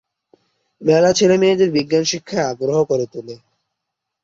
মেলা ছেলে মেয়েদের বিজ্ঞান শিক্ষায় আগ্রহী করে তোলে।